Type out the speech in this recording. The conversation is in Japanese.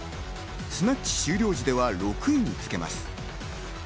スナッチ終了時では６位につけます。